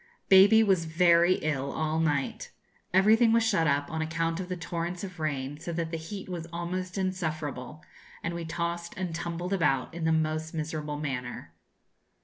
Baby was very ill all night. Everything was shut up on account of the torrents of rain, so that the heat was almost insufferable, and we tossed and tumbled about in the most miserable manner.